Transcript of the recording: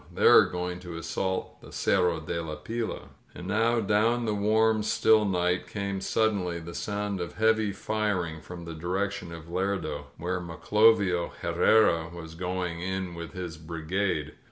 They are going to assault the Cerro de la Pila. •••" And now down the warm, still night came suddenly the soimd of heavy firing from the direction of Lerdo, where Maclovio Herrera was going in with his brigade.